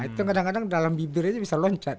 itu kadang kadang dalam bibir aja bisa loncat